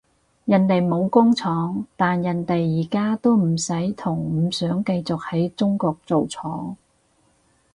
人哋冇工廠，但人哋而家都唔使同唔想繼續喺中國做廠